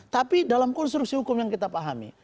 tapi dalam konstruksi hukum yang kita pahami